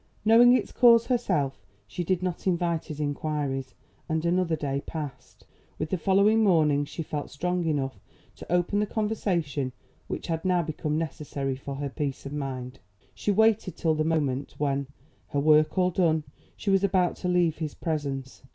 Knowing its cause herself, she did not invite his inquiries; and another day passed. With the following morning she felt strong enough to open the conversation which had now become necessary for her peace of mind. She waited till the moment when, her work all done, she was about to leave his presence.